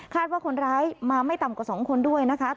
ว่าคนร้ายมาไม่ต่ำกว่า๒คนด้วยนะคะ